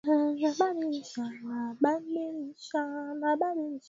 na dini kuna makadirio kuwa kati ya wananchi wote Idadi ya watu